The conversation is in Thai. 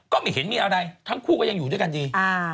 ก็ไม่เห็นมีอะไรทั้งคู่ก็ยังอยู่ด้วยกันดี